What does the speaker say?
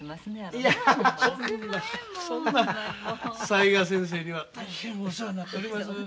雑賀先生には大変お世話になっております。